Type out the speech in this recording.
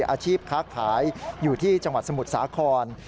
อาชีพค้าขายอยู่ที่จังหวัดสมุทรสาคร